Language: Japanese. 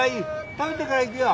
食べてから行くよ。